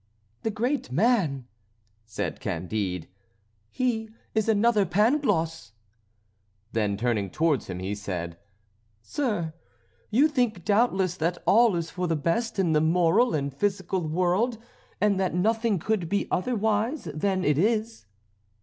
"The great man!" said Candide. "He is another Pangloss!" Then, turning towards him, he said: "Sir, you think doubtless that all is for the best in the moral and physical world, and that nothing could be otherwise than it is?"